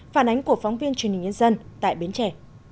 phản ánh của phóng viên truyền hình nhân dân tại bến trẻ